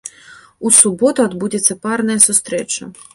У суботу адбудзецца парная сустрэча.